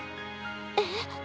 えっ。